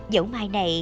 dẫu mai này